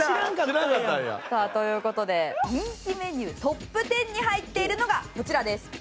知らんかったんや。という事で人気メニュートップ１０に入っているのがこちらです。